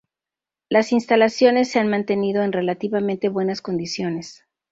Las instalaciones se han mantenido en relativamente buenas condiciones.